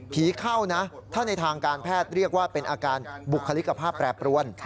เข้านะถ้าในทางการแพทย์เรียกว่าเป็นอาการบุคลิกภาพแปรปรวน